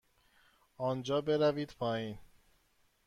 آنجا بروید پایین.